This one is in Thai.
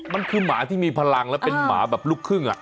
มันคือหมาที่มีพลังและเป็นหมาแบบลูกครึ่ง